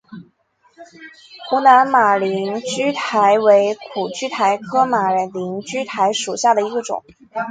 湖南马铃苣苔为苦苣苔科马铃苣苔属下的一个种。